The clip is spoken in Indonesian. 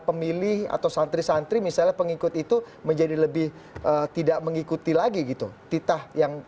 pemilih atau santri santri misalnya pengikut itu menjadi lebih tidak mengikuti lagi gitu titah yang